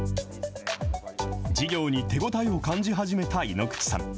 事業に手応えを感じ始めた井口さん。